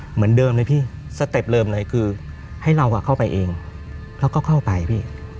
เหมือนเดิมเลยพี่สเต็ปเดิมเลยคือให้เราเข้าไปเองแล้วก็เข้าไปพี่